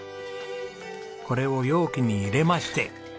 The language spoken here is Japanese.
これを容器に入れまして。